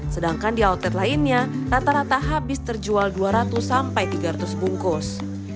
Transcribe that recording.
sedangkan di outlet lainnya rata rata habis terjual dua ratus sampai tiga ratus bungkus